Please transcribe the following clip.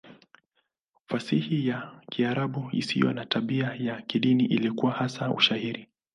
Fasihi ya Kiarabu isiyo na tabia ya kidini ilikuwa hasa Ushairi.